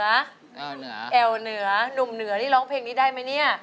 แอวเหนือแอวเหนือหนุ่มเหนือนี่ร้องเพลงนี้ได้ไหมเนี่ย